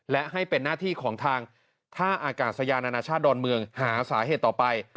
และให้เป็นหน้าที่ของทางท่าอากาศยานานาชาติดอนเมืองหาสาเหตุต่อไป